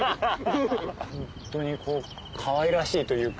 ホントにかわいらしいというか。